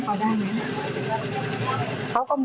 แล้วคุณยายเอาหัวสีให้เขาไหม